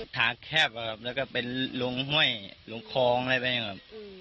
ทางแคบเป็นลุงห้อยลุงคลองอะไรแบบนี้ครับ